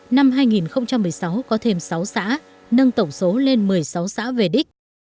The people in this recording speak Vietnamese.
năm hai nghìn một mươi sáu có thêm sáu xã nâng tổng số lên một mươi sáu xã về đích